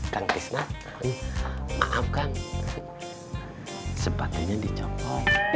kang kisnat maafkan sepatunya dicoba